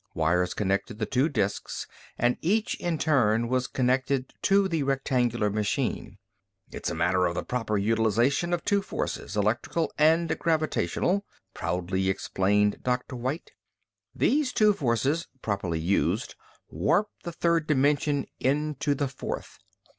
Wires connected the two disks and each in turn was connected to the rectangular machine. "It is a matter of the proper utilization of two forces, electrical and gravitational," proudly explained Dr. White. "Those two forces, properly used, warp the third dimensional into the fourth.